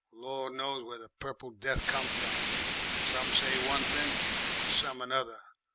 Gor' knows where the Purple Death come from; some say one thing and some another.